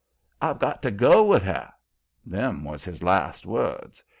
"'I've got to go with her!' Them was his last words.